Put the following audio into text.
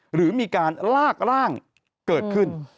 หรือมีการลากร่างเกิดขึ้น